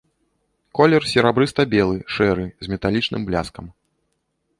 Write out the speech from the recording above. Колер серабрыста-белы, шэры, з металічным бляскам.